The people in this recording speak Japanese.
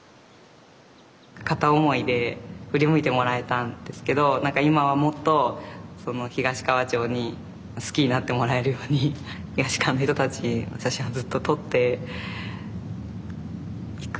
片思いで振り向いてもらえたんですけど何か今はもっと東川町に好きになってもらえるように東川の人たちの写真をずっと撮っていくことかなと思っているので。